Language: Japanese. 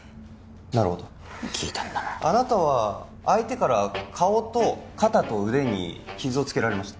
なるほどあなたは相手から顔と肩と腕に傷をつけられました